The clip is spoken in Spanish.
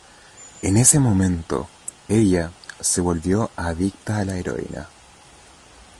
En ese momento, ella se volvió adicta a la heroína.